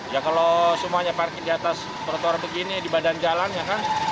ya kalau semuanya parkir di atas trotoar begini di badan jalan ya kan